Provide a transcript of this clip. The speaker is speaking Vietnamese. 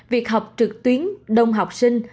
việc học trực tuyến đông học sinh